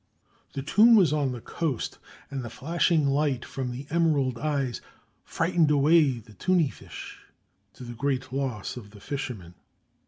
This tomb was on the coast, and the flashing light from the emerald eyes frightened away the tunny fish, to the great loss of the fishermen.